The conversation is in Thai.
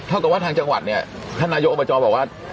กับว่าทางจังหวัดเนี่ยท่านนายกอบจบอกว่า